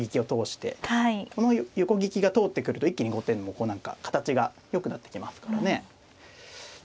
この横利きが通ってくると一気に後手もこう何か形が良くなってきますからね。